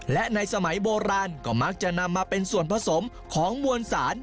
และในสมัยโบราณก็มักจะนำมาเป็นส่วนผสมของมวลสาร